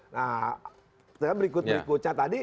nah berikut berikutnya tadi